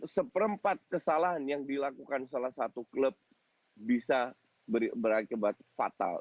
seperempat kesalahan yang dilakukan salah satu klub bisa berakibat fatal